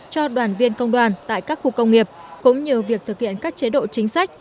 cho đoàn viên công đoàn tại các khu công nghiệp cũng như việc thực hiện các chế độ chính sách